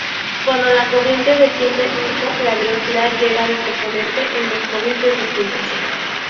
Cuando la corriente desciende mucho la velocidad llega a descomponerse en dos corrientes distintas.